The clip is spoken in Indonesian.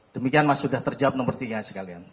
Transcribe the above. demikian mas sudah terjawab nomor tiga sekalian